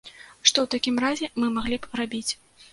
Што ў такім разе мы маглі б рабіць?